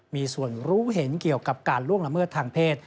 มีส่วนรู้เห็นเกี่ยวกับการล่วงละเมิดทางเพศ